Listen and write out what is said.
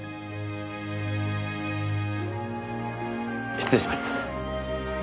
失礼します。